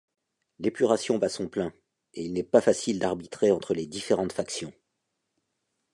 L’épuration bat son plein, et il n’est pas facile d’arbitrer entre les différentes factions.